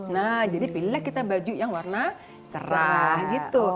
nah jadi pilihlah kita baju yang warna cerah gitu